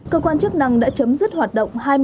cơ quan chức năng đã chấm dứt hoạt động